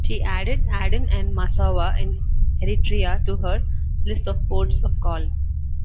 She added Aden and Massawa in Eritrea to her list of ports of call.